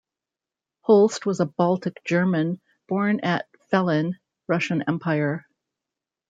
Holst was a Baltic German born at Fellin, Russian Empire.